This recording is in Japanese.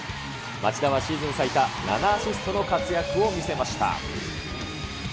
町田はシーズン最多、７アシストの活躍を見せました。